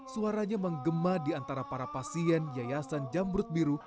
suaranya menggema di antara para pasien yayasan jamrut biru